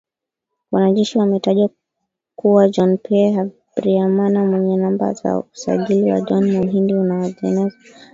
Wanajeshi wametajwa kuwa Jean Pierre Habyarimana mwenye namba za usajili na John Muhindi Uwajeneza, wote kutoka kikosi cha sitini na tano cha jeshi la Rwanda